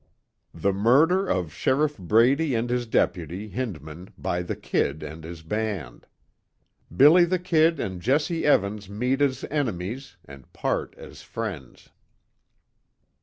THE MURDER OF SHERIFF BRADY AND HIS DEPUTY, HINDMAN, BY THE "KID" AND HIS BAND. "BILLY THE KID" AND JESSE EVANS MEET AS ENEMIES AND PART AS FRIENDS.